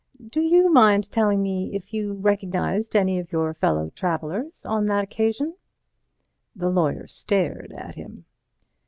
Do you mind telling me if you recognized any of your fellow travellers on that occasion?" The lawyer stared at him.